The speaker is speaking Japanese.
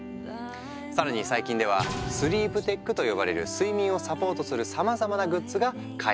更に最近ではスリープテックと呼ばれる睡眠をサポートするさまざまなグッズが開発されている。